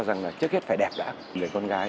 rằng là trước hết phải đẹp đã người con gái